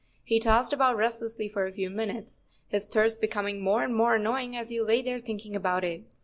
He tossed about restlessly for a few minutes, his thirst becom¬ ing more and more annoying as he lay there thinking about it.